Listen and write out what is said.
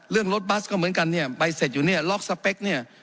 เรื่องรถบัสก็เหมือนกันเนี่ยใบเสร็จอยู่เนี่ยล็อกสเปคเนี่ย